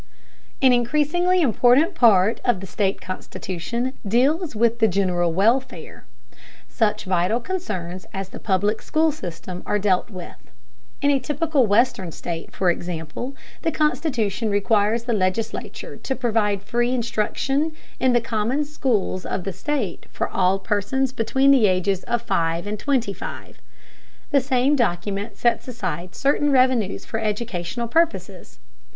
An increasingly important part of the state constitution deals with the general welfare. Such vital concerns as the public school system are dealt with. In a typical western state, for example, the constitution requires the legislature to provide free instruction in the common schools of the state for all persons between the ages of five and twenty five. The same document sets aside certain revenues for educational purposes.